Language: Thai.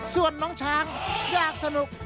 ส่วนน้องช้างอยากสนุก